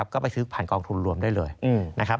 ก็ไปซื้อผ่านกองทุนรวมได้เลยนะครับ